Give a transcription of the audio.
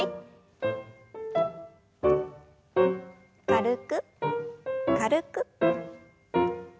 軽く軽く。